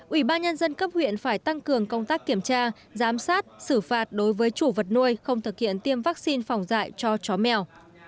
ủy ban nhân dân cấp huyện phải tăng cường công tác kiểm tra giám sát xử phạt đối với chủ vật nuôi không thực hiện tiêm vaccine phòng dạy cho chó mèo